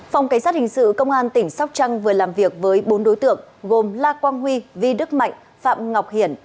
phòng cảnh sát hình sự công an tỉnh sóc trăng vừa làm việc với bốn đối tượng gồm la quang huy vi đức mạnh phạm ngọc hiển